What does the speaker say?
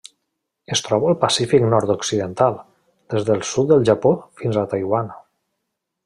Es troba al Pacífic nord-occidental: des del sud del Japó fins a Taiwan.